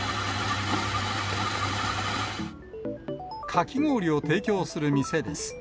かき氷を提供する店です。